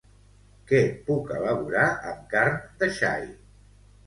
Què puc elaborar amb carn de xai?